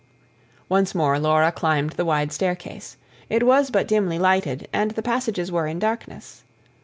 Once more Laura climbed the wide staircase: it was but dimly lighted, and the passages were in darkness.